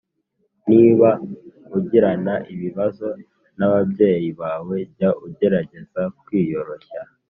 Niba ugirana ibibazo n ababyeyi bawe jya ugerageza kwiyoroshya.